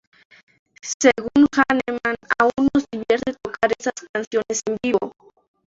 Según Hanneman: "Aún nos divierte tocar esas canciones en vivo.